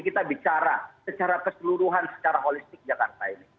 kita bicara secara keseluruhan secara holistik jakarta ini